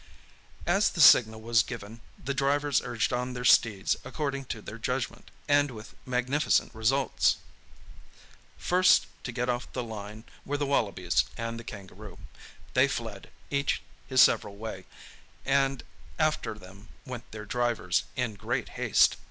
As the signal was given, the drivers urged on their steeds according to their judgment, and with magnificent results. First to get off the line were the wallabies and the kangaroo. They fled, each his several way, and after them went their drivers, in great haste.